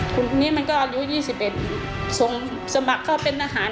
คนนี้มันก็อายุ๒๑ส่งสมัครเข้าเป็นทหาร